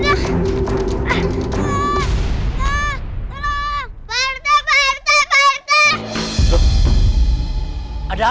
anak anak diculik dan disukap di sana